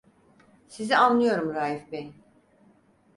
Sizi anlıyorum Raif bey!